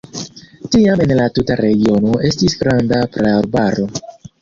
Tiam en la tuta regiono estis granda praarbaro.